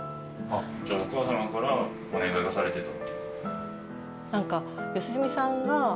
じゃあお母様からお願いがされてた？